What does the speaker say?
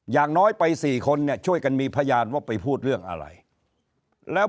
อย่างน้อยไป๔คนเนี่ยช่วยกันมีพยานว่าไปพูดเรื่องอะไรแล้ว